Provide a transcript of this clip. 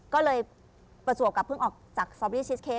ก็เลยประจวบกับเพิ่งออกจากซอบบี้ชิสเคส